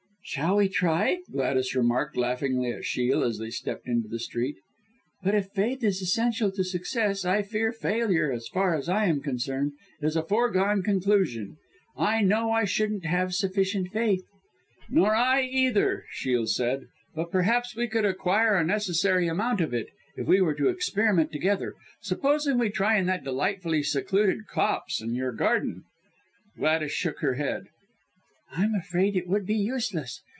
"Shall we try?" Gladys remarked laughingly to Shiel, as they stepped into the street. "But if faith is essential to success, I fear failure, as far as I am concerned, is a foregone conclusion. I know I shouldn't have sufficient faith." "Nor I either," Shiel said. "But, perhaps, we could acquire a necessary amount of it, if we were to experiment together. Supposing we try in that delightfully secluded copse in your garden." Gladys shook her head. "I'm afraid it would be useless.